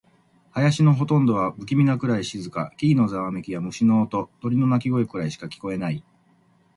林のほとんどは不気味なくらい静か。木々のざわめきや、虫の音、鳥の鳴き声くらいしか聞こえない。